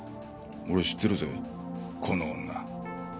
俺知ってるぜこの女。